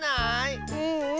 ううん。